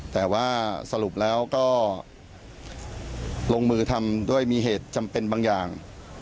แต่ว่าสรุปแล้วก็ลงมือทำด้วยมีเหตุจำเป็นบางอย่าง